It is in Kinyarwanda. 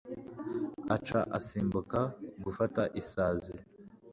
Aca asimbuka gufata isazi